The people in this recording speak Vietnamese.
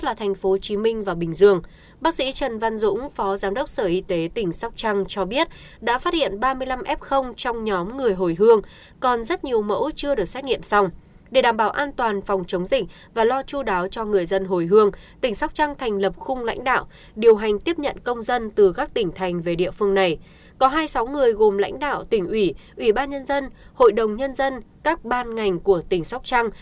lãnh đạo tỉnh ủy ủy ban nhân dân hội đồng nhân dân các ban ngành của tỉnh sóc trăng